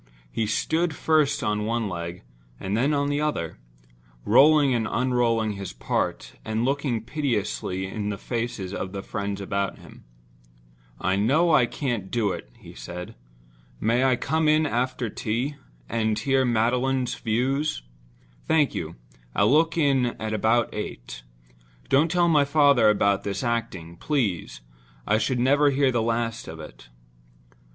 He stood first on one leg and then on the other; rolling and unrolling his part, and looking piteously in the faces of the friends about him. "I know I can't do it," he said. "May I come in after tea, and hear Magdalen's views? Thank you—I'll look in about eight. Don't tell my father about this acting, please; I should never hear the last of it."